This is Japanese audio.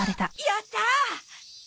やった！